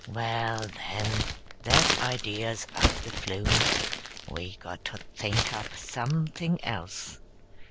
"Well, then, that idea's up the flume. We got to think up something else.